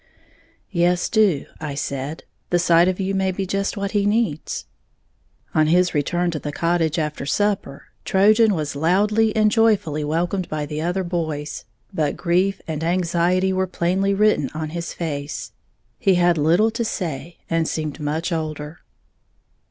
"Yes, do," I said, "the sight of you may be just what he needs." On his return to the cottage after supper, "Trojan" was loudly and joyfully welcomed by the other boys; but grief and anxiety were plainly written on his face, he had little to say, and seemed much older.